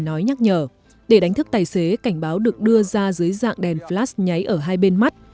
nói nhắc nhở để đánh thức tài xế cảnh báo được đưa ra dưới dạng đèn flas nháy ở hai bên mắt